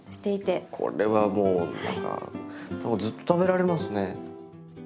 これはもう何かずっと食べられますね。